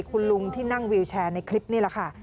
คุณลุงที่นั่งวิวแชร์ในคลิปนี่แหละค่ะ